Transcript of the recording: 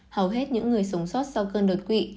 hầu hết những người sống sót sau cơn đột quỵ